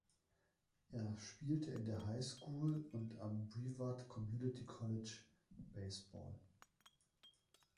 Er spielte in der Highschool und am Brevard Community College Baseball.